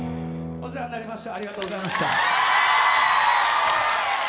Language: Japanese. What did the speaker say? お世話になりました